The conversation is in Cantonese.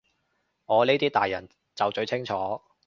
我呢啲大人就最清楚